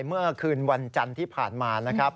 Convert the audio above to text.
เมื่อคืนวันจันทร์ที่ผ่านมานะครับ